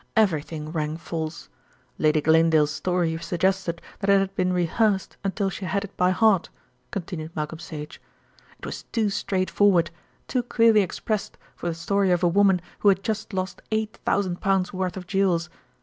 "Everything rang false. Lady Glanedale's story suggested that it had been rehearsed until she had it by heart," continued Malcolm Sage. "It was too straightforward, too clearly expressed for the story of a woman who had just lost eight thousand pounds' worth of jewels.